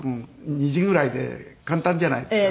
２字ぐらいで簡単じゃないですか。